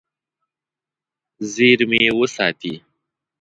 زیرمې وساتي.